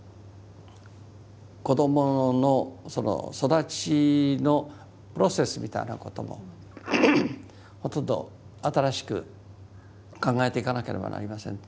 子どもの育ちのプロセスみたいなこともほとんど新しく考えていかなければなりません。